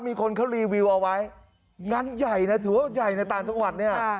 มีคนเขารีวิวเอาไว้งานใหญ่นะถือว่าใหญ่ในต่างจังหวัดเนี่ย